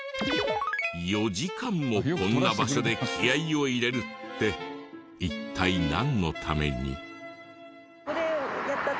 ４時間もこんな場所で気合を入れるって一体なんのために？